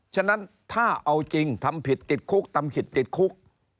ฉะนั้นถ้าเอาจริงทำผิดติดคุกทำผิดติดคุก